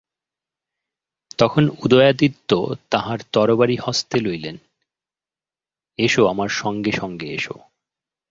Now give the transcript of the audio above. তখন উদয়াদিত্য তাঁহার তরবারি হস্তে লইলেন, এস আমার সঙ্গে সঙ্গে এস।